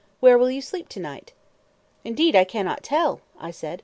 Where will you sleep to night?" "Indeed I cannot tell," I said.